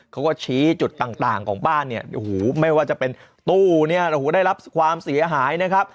เขาก็ชี้จุดต่างของบ้านเนี่ยโอ้โหไม่ว่าจะเป็นตู้เนี่ยโอ้โหได้รับความเสียหายนะครับ